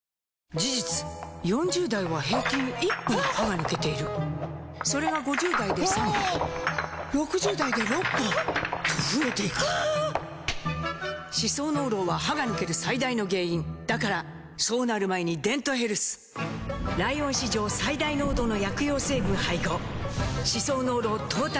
事実４０代は平均１本歯が抜けているそれが５０代で３本６０代で６本と増えていく歯槽膿漏は歯が抜ける最大の原因だからそうなる前に「デントヘルス」ライオン史上最大濃度の薬用成分配合歯槽膿漏トータルケア！